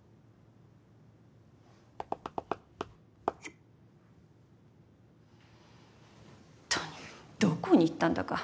っとにどこに行ったんだか。